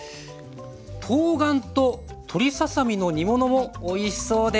とうがんと鶏ささ身の煮物もおいしそうです。